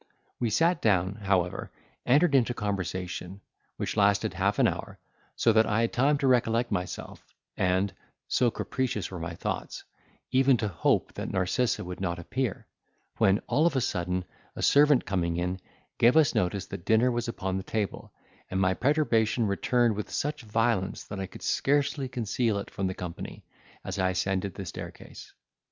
We sat down, however, entered into conversation, which lasted half an hour, so that I had time to recollect myself; and (so capricious were my thoughts) even to hope that Narcissa would not appear—when, all of a sudden, a servant coming in, gave us notice that dinner was upon the table, and my perturbation returned with such violence that I could scarcely conceal it from the company, as I ascended the staircase.